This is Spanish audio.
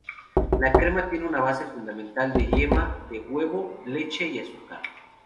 La crema tiene una base fundamental de yema de huevo, leche y azúcar.